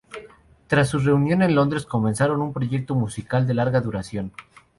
Tras su reunión en Londres, comenzaron un proyecto musical de larga duración.